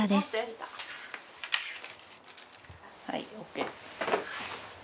はいＯＫ。